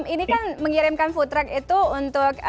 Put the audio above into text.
ini kan mengirimkan food truck itu untuk